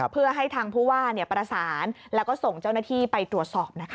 เพื่อให้ทางผู้ว่าประสานแล้วก็ส่งเจ้าหน้าที่ไปตรวจสอบนะคะ